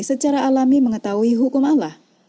secara alami mengetahui hukum allah